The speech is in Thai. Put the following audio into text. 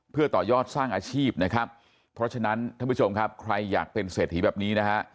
เพื่อต่อยอดสร้างอาชีพนะครับเพราะฉะนั้นท่านผู้ชมครับใครอยากเป็นเศรษฐีแบบนี้นะฮะ